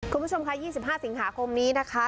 คุณผู้ชมค่ะยี่สิบห้าศีลหาคมนี้นะคะ